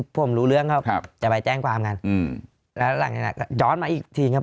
ผมรู้เรื่องครับจะไปแจ้งความกันอืมแล้วหลังจากนั้นก็ย้อนมาอีกทีครับ